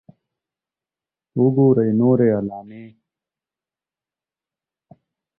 .وګورئ نورې علامې